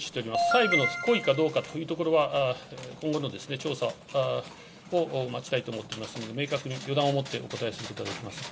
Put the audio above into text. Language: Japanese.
細部の故意かどうかということについては、今後の調査を待ちたいと思っておりますので、明確に予断をもってお答えすることはできません。